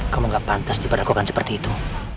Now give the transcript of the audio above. kamu gak pantas diperlakukan seperti itu